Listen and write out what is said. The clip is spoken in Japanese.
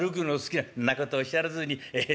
「んなことおっしゃらずにええ